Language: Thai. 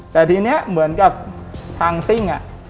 แต่ทีนี้เหมือนกับทางซิ่ง